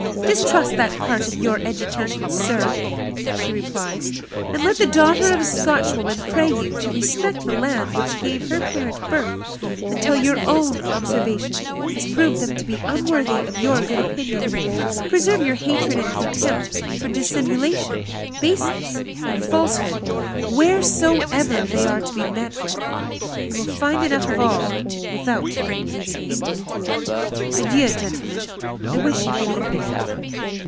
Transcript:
"Distrust that part of your education, sir," she replied, "and let the daughter of a Scotchwoman pray you to respect the land which gave her parent birth, until your own observation has proved them to be unworthy of your good opinion. Preserve your hatred and contempt for dissimulation, baseness, and falsehood, wheresoever they are to be met with. You will find enough of all without leaving England. Adieu, gentlemen, I wish you good evening."